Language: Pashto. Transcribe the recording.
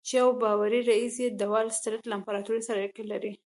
چې يو باوري رييس يې د وال سټريټ له امپراتور سره اړيکې لري.